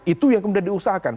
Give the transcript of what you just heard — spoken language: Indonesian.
itu yang kemudian diusahakan